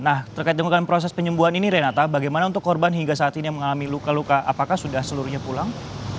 nah terkait dengan proses penyembuhan ini renata bagaimana untuk korban hingga saat ini mengalami luka luka apakah sudah seluruhnya pulang